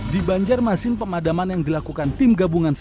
di banjarmasin pemadaman yang dilakukan tim gabungan